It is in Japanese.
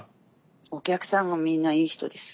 お客さんがみんないい人です。